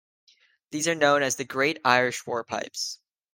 These are known as the "Great Irish Warpipes".